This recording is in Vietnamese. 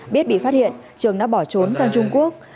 biết bị phát hiện trường đã bỏ trốn sang trung quốc